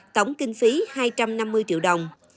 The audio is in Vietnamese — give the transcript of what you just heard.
tổng kinh phí hai trăm năm mươi triệu đồng